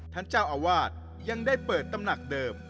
ท่านเจ้าอาวาสยังได้เปิดตำหนักเดิม